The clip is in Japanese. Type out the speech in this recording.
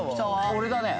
俺だね